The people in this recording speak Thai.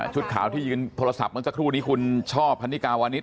ขาวที่ยืนโทรศัพท์เมื่อสักครู่นี้คุณช่อพันนิกาวานิส